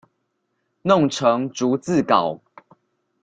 弄成逐字稿